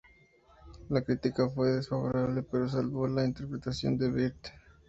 La crítica fue desfavorable pero salvó la interpretación de Brett.